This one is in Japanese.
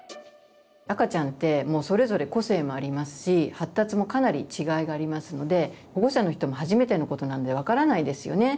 赤ちゃんってもうそれぞれ個性もありますし発達もかなり違いがありますので保護者の人も初めてのことなんで分からないですよね。